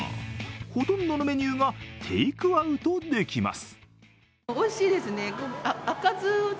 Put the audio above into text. ほとんどのメニューがテイクアウトできます。